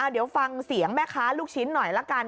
เดี๋ยวฟังเสียงแม่ค้าลูกชิ้นหน่อยละกัน